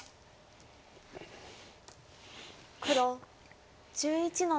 黒１１の七。